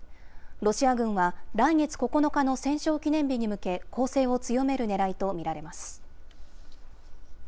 ロシア軍は、来月９日の戦勝記念日に向け、攻勢を強めるねらいと見られます。